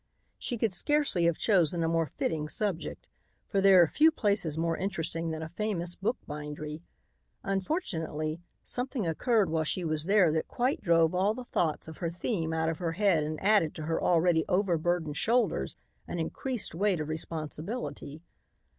She could scarcely have chosen a more fitting subject, for there are few places more interesting than a famous book bindery. Unfortunately, something occurred while she was there that quite drove all the thoughts of her theme out of her head and added to her already over burdened shoulders an increased weight of responsibility.